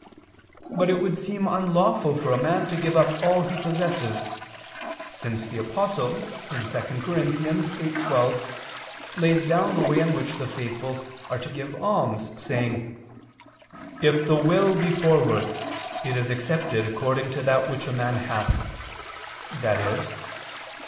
But it would seem to be unlawful for a man to give up all he possesses; since the Apostle (2 Cor. 8:12) lays down the way in which the faithful are to give alms saying: "If the will be forward, it is accepted according to that which a man hath," i.e.